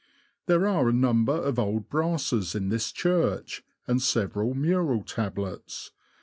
There are a number of old brasses in this church, and several mural tablets.